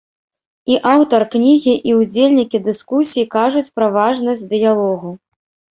І аўтар кнігі, і ўдзельнікі дыскусій кажуць пра важнасць дыялогу.